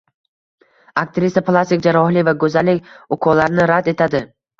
Aktrisa plastik jarrohlik va go‘zallik ukollarini rad etadi